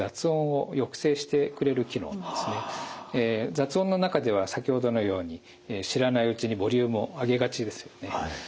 雑音の中では先ほどのように知らないうちにボリュームを上げがちですよね。